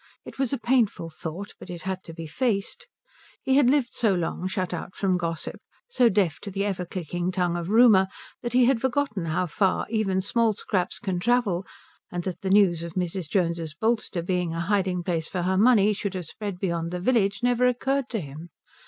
It was a painful thought, but it had to be faced. He had lived so long shut out from gossip, so deaf to the ever clicking tongue of rumour, that he had forgotten how far even small scraps can travel, and that the news of Mrs. Jones's bolster being a hiding place for her money should have spread beyond the village never occurred to him.